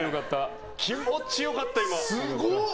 気持ち良かった、今。